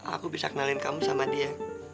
aku bisa kenalin kamu sama dia